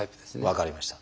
分かりました。